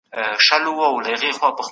مړوند